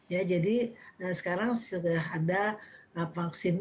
ya jadi sekarang sudah ada vaksin